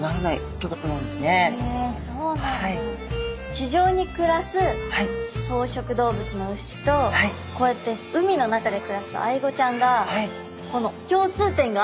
地上に暮らす草食動物の牛とこうやって海の中で暮らすアイゴちゃんが共通点があるっていうの何か不思議ですね。